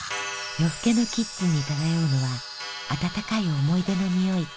夜更けのキッチンに漂うのは温かい思い出のにおい。